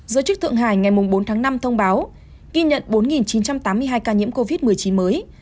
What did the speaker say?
giới chức thượng hải ngày bốn tháng năm thông báo ghi nhận bốn chín trăm tám mươi hai ca nhiễm covid một mươi chín mới